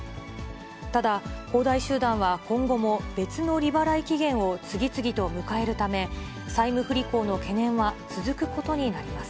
ただ、恒大集団は今後も別の利払い期限を次々と迎えるため、債務不履行の懸念は続くことになります。